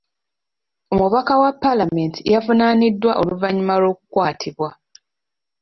Omubaka wa paalamenti yavunaaniddwa oluvannyuma lw'okukwatibwa.